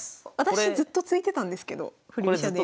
私ずっと突いてたんですけど振り飛車で。